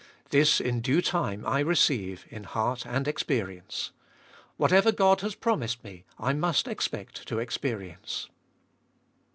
This in due time I receive, in heart and experience. Whatever God has promised me I must expect to experience.